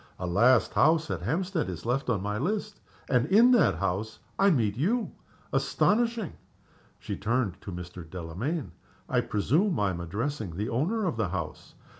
A last house at Hampstead is left on my list and in that house I meet you. Astonishing!" She turned to Mr. Delamayn. "I presume I am addressing the owner of the house?"